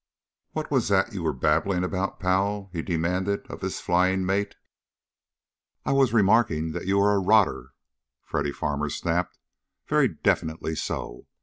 "What was that you were babbling about, pal?" he then demanded of his flying mate. "I was remarking that you are a rotter!" Freddy Farmer snapped. "Very definitely so.